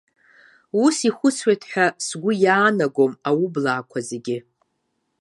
Ус ихәыцуеит ҳәа сгәы иаанагом аублаақәа зегьы.